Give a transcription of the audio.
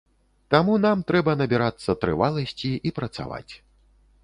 Таму нам трэба набірацца трываласці і працаваць.